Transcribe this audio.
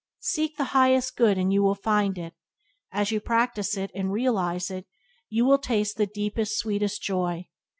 Seek the highest Good, and as you find it, as you practice it and realize it, you will taste the deepest, sweetest joy.